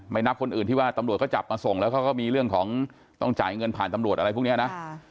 นับคนอื่นที่ว่าตำรวจก็จับมาส่งแล้วเขาก็มีเรื่องของต้องจ่ายเงินผ่านตำรวจอะไรพวกนี้นะ